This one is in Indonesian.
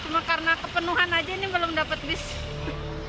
cuma karena kepenuhan aja ini belum dapat bis